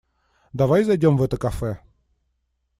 Давай зайдём в это кафе.